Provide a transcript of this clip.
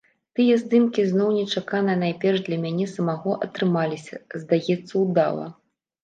Тыя здымкі зноў нечакана найперш для мяне самога атрымаліся, здаецца, удала.